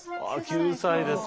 ９歳ですか。